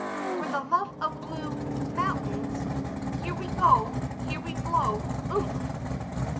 For the love of blue mountains! Here we GO! Here we blow! Oooomph!